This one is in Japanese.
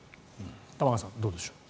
玉川さんどうでしょう。